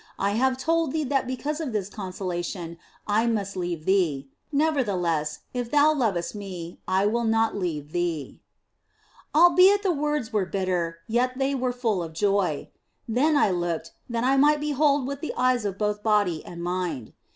I have told thee that be cause of this consolation I must leave thee ; nevertheless, if thou lovest Me, I will not leave thee." Albeit the words were bitter, yet were they full of joy. Then looked I, that I might behold with the eyes of i66 THE BLESSED ANGELA both body and mind.